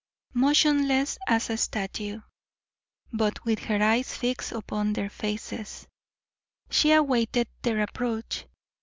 Motionless as a statue, but with her eyes fixed upon their faces, she awaited their approach.